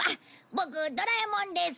ボクドラえもんです。